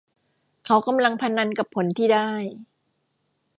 เขากำลังพนันกับผลที่ได้